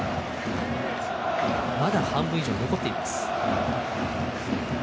まだ半分以上残っています。